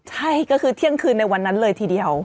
ใช่ก็คือเที่ยงคืนในวันนั้นเลยทีเดียว